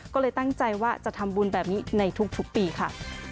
ก็เลยตั้งใจว่าจะทำบุญแบบนี้ในทุกปีค่ะ